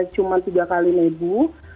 cuman tiga kali nebu